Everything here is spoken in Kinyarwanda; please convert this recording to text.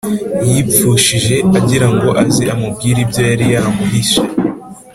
, yipfushije agira ngo aze amubwire ibyo yari yamuhishe.